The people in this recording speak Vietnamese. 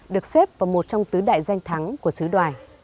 được xếp vào một trong tứ đại danh thắng của sứ đoài